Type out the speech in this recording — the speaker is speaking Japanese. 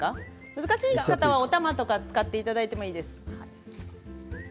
難しかったら、おたまとか使っていただいていいです。